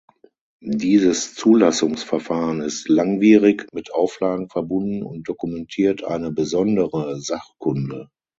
Dieses Zulassungsverfahren ist langwierig, mit Auflagen verbunden und dokumentiert eine "besondere" Sachkunde.